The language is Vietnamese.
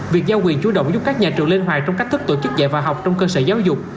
việc giao quyền chủ động giúp các nhà trường lên hoàng trong cách thức tổ chức dạy và học trong cơ sở giáo dục